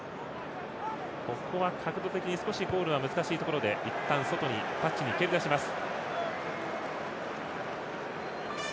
ここは角度的に少しゴールは難しいところでいったん、外にタッチに蹴りだします。